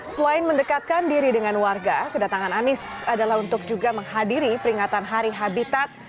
selain mendekatkan diri dengan warga kedatangan anies adalah untuk juga menghadiri peringatan hari habitat